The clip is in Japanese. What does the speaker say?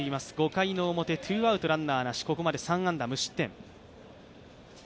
５回の表ツーアウトランナーなし、ここまで３安打無失点。